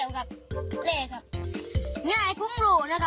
หงวะใครลบพี่หนะไอภวมหลัวนะ